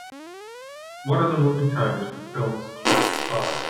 What are the movie times for films close by